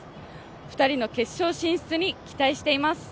２人の決勝進出に期待しています。